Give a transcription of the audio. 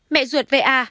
mẹ ruột v a